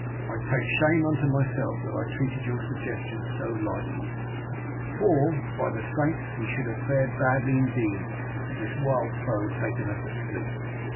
I take shame unto myself that I treated your suggestion so lightly; for, by the saints, we should have fared badly indeed had this wild foe taken us asleep.